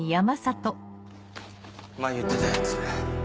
前言ってたやつ。